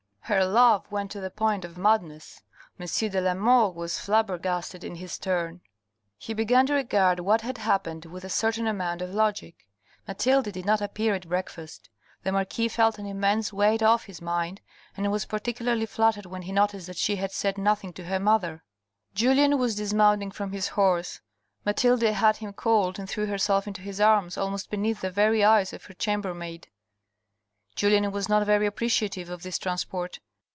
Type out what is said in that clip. Her love went to the point of madness. M. de la Mole was flabbergasted in his turn. He began to regard what had happened with a certain amount of logic. Mathilde did not appear at breakfast. The marquis felt an immense weight off his mind, and was par ticularly flattered when he noticed that she had said nothing to her mother. Julien was dismounting from his horse. Mathilde had him called and threw herself into his arms almost beneath the very eyes of her chambermaid. Julien was not very appreciative of this transport.